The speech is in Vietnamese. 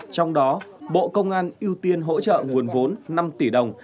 trong đó bộ công an ưu tiên hỗ trợ nguồn vốn năm tỷ đồng